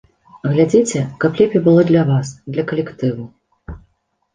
Глядзіце, каб лепей было для вас, для калектыву.